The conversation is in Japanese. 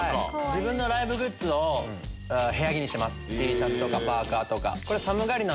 自分のライブグッズを部屋着にＴシャツとかパーカとか。